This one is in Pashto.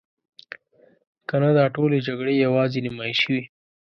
کنه دا ټولې جګړې یوازې نمایشي وي.